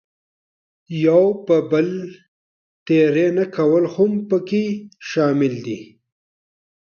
یو پر بل تېری نه کول هم پکې شامل دي.